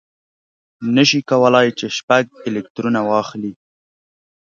نه شي کولای چې شپږ الکترونه واخلي.